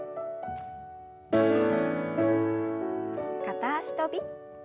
片脚跳び。